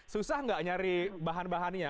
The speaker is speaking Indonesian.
susah nggak nyari bahan bahannya